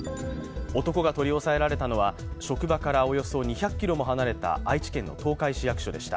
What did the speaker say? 男が取り押さえられたのは職場からおよそ２００ｋｍも離れた愛知県の東海市役所でした。